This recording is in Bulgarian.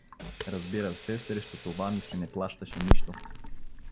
Разбира се, срещу това ми се не плащаше нищо.